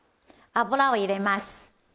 油を入れます。